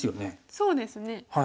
そうですね。